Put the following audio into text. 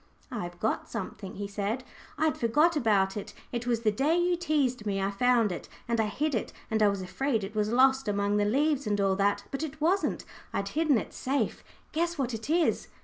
"I've got something," he said. "I'd forgot about it. It was the day you teased me I found it. And I hid it, and I was afraid it was lost among the leaves, and all that, but it wasn't. I'd hidden it safe. Guess what it is."